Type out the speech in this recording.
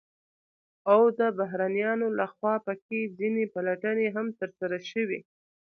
او د بهرنيانو لخوا په كې ځنې پلټنې هم ترسره شوې،